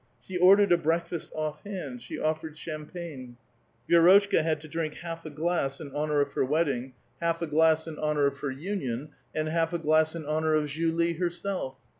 She ordered a breakfast off hand ; she offered champagne. Vi^rotchka had to drink half a glass in honor of her wedding, half a A VITAL QUESTION. 157 glass in honor of her "union," and half a glass in honor of Julie herself.